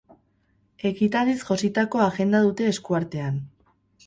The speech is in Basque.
Ekitaldiz jositako agenda dute eskuartean.